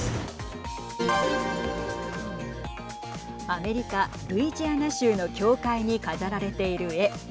アメリカ、ルイジアナ州の教会に飾られている絵。